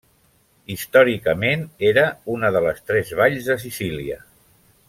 Històricament, era una de les tres valls de Sicília.